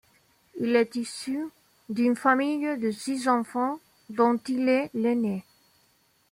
Il est issu d'une famille de six enfants dont il est l'ainé.